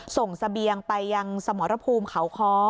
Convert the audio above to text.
เสบียงไปยังสมรภูมิเขาคอ